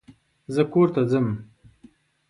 زه کور ته ځم